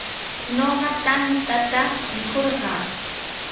Ñuqa tantata mikurqaa.